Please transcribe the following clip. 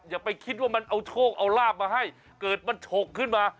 อย่าไปคิดว่ามันเอาโชคเอาลาบมาให้เกิดมันฉกขึ้นมา